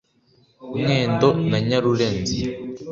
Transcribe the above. Mwendo na Nyarurenzi